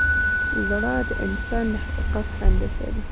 زړه د انسان د حقیقت هندسه ده.